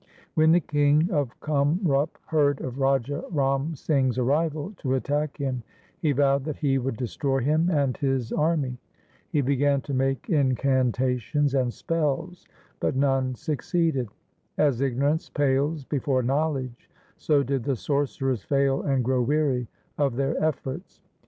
When the king of Kamrup heard of Raja Ram Singh's arrival to attack him, he vowed that he would destroy him and his army. He began to make incantations and spells, but none succeeded. As ignorance pales before knowledge, so did the sorcerers fail and grow weary of their efforts.